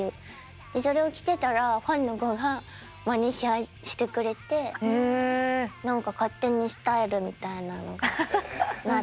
でそれを着てたらファンの子がまねしてくれて何か勝手にスタイルみたいなのがなって。